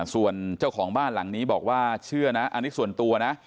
ส่วนเจ้าของบ้านหลังนี้บอกว่าเชื่อนะอันนี้ส่วนตัวนะ